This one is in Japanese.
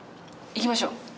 行きましょう。